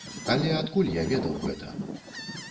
Але адкуль я ведаў гэта?